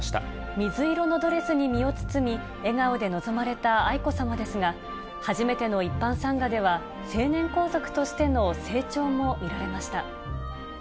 水色のドレスに身を包み、笑顔で臨まれた愛子さまですが、初めての一般参賀では、成年皇族としての成長も見られました。